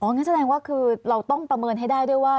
งั้นแสดงว่าคือเราต้องประเมินให้ได้ด้วยว่า